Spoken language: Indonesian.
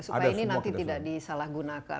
supaya ini nanti tidak disalahgunakan